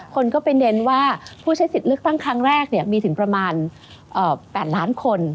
คนก็ไปเน้นว่าผู้ใช้สิทธิ์เลือกตั้งครั้งแรกมีถึงประมาณ๘ล้านคน